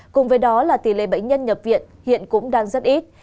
cùng với đó là tỷ lệ bệnh nhân nhập viện hiện cũng đang rất ít